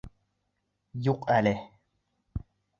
Юҡ әле.